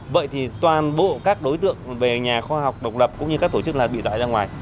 vậy thì toàn bộ các đối tượng về nhà khoa học độc lập cũng như các tổ chức là bị loại ra ngoài